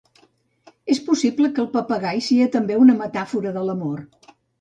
És possible que el papagai sia també una metàfora de l'amor.